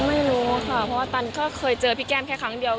ไม่รู้ค่ะเพราะว่าตันก็เคยเจอพี่แก้มแค่ครั้งเดียว